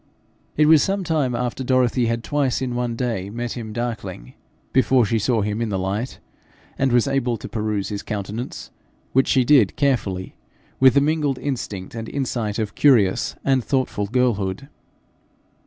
It was some time after Dorothy had twice in one day met him darkling, before she saw him in the light, and was able to peruse his countenance, which she did carefully, with the mingled instinct and insight of curious and thoughtful girlhood.